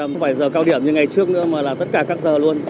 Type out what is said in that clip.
không phải giờ cao điểm như ngày trước nữa mà là tất cả các giờ luôn